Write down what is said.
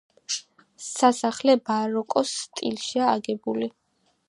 სასახლე ბაროკოს სტილშია აგებული.